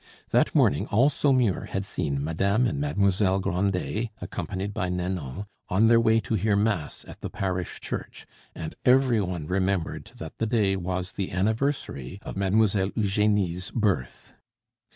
That morning all Saumur had seen Madame and Mademoiselle Grandet, accompanied by Nanon, on their way to hear Mass at the parish church, and every one remembered that the day was the anniversary of Mademoiselle Eugenie's birth.